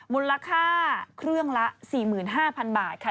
มูลค่าเครื่องละ๔๕๐๐๐บาทค่ะ